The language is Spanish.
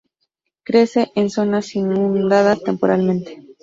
Crece en zonas inundadas temporalmente.